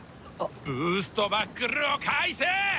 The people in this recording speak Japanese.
ブーストバックルを返せ！